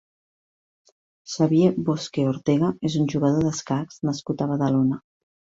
Xavier Bosque Ortega és un jugador d'escacs nascut a Badalona.